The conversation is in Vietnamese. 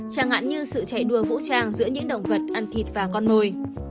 chẳng hạn như sự chạy đua vũ trang giữa những động vật ăn thịt và con mồi